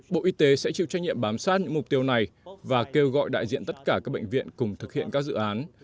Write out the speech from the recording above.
bộ y tế sẽ chịu trách nhiệm bám sát những mục tiêu này và kêu gọi đại diện tất cả các bệnh viện cùng thực hiện các dự án